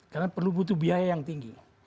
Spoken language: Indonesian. karena perlu butuh biaya yang tinggi